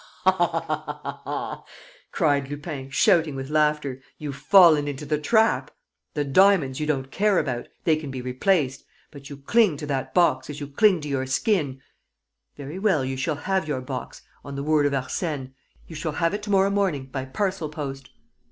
"Ah," cried Lupin, shouting with laughter, "you've fallen into the trap! ... The diamonds you don't care about ... they can be replaced. ... But you cling to that box as you cling to your skin. ... Very well, you shall have your box ... on the word of Arsène ... you shall have it to morrow morning, by parcel post!"